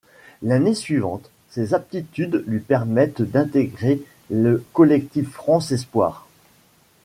L'année suivante, ses aptitudes lui permettent d'intégrer le collectif France espoir.